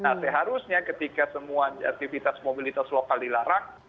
nah seharusnya ketika semua aktivitas mobilitas lokal dilarang